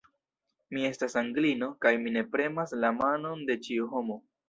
Mi estas Anglino, kaj mi ne premas la manon de ĉiu homo!